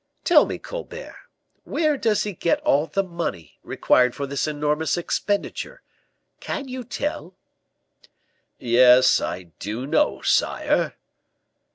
Tell me, Colbert, where does he get all the money required for this enormous expenditure, can you tell?" "Yes, I do know, sire."